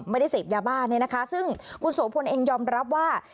ไม่ได้เสพยาบ้าเนี่ยนะคะซึ่งคุณโสพลเองยอมรับว่า